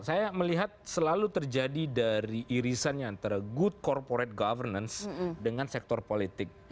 saya melihat selalu terjadi dari irisannya antara good corporate governance dengan sektor politik